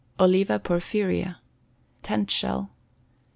Oliva Porphyria. Tent Shell.